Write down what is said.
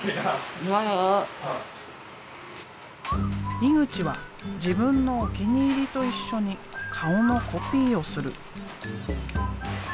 井口は自分のお気に入りと一緒に顔のコピーをする。